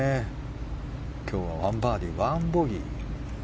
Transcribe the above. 今日は１バーディー１ボギー。